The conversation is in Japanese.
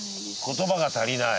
言葉が足りない。